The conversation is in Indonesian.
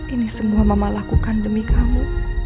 ini semua mama lakukan demi kamu